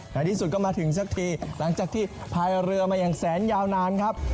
ในที่สุดก็มาถึงสักทีหลังจากที่พายเรือมาอย่างแสนยาวนานครับ